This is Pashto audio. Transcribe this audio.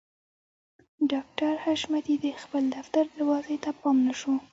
ډاکټر حشمتي د خپل دفتر دروازې ته پام نه شو